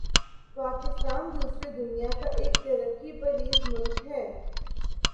پاکستان دوسری دنیا کا ایک ترقی پزیر ملک ہے